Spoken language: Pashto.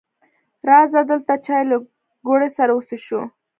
راځه دلته چای له ګوړې سره وڅښو